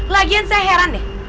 lagi yang saya heran deh